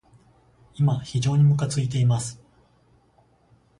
今、非常にむかついています。